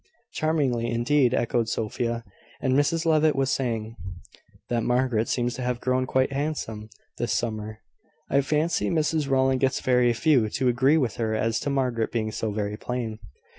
"Charmingly, indeed," echoed Sophia. "And Mrs Levitt was saying, that Margaret seems to have grown quite handsome, this summer. I fancy Mrs Rowland gets very few to agree with her as to Margaret being so very plain."